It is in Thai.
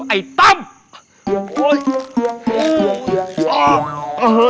ไอ่ตำ